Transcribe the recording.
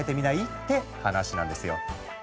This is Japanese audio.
って話なんですよ。